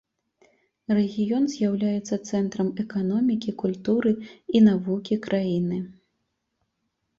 Рэгіён з'яўляецца цэнтрам эканомікі, культуры і навукі краіны.